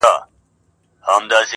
راوړې فریسو یې د تن خاوره له باګرامه،